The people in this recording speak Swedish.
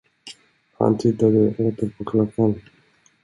Han tittade åter på klockan.